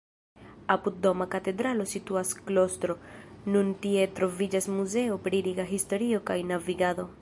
Apud Doma Katedralo situas klostro, nun tie troviĝas Muzeo pri Riga historio kaj navigado.